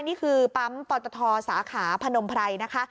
นี่คือปั๊มปตทสาขาพนมไพรนะคะ